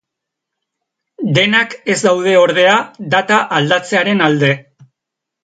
Denak ez daude ordea data aldatzearen alde.